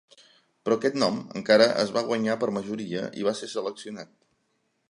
Però aquest nom encara es va guanyar per majoria i va ser seleccionat.